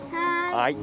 はい。